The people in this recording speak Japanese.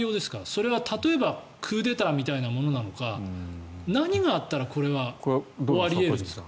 それは例えばクーデターみたいなものなのか何があったらこれは終わり得るんですか？